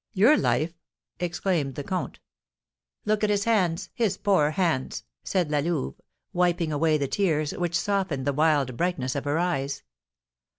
"Your life?" exclaimed the comte. "Look at his hands his poor hands!" said La Louve, wiping away the tears which softened the wild brightness of her eyes.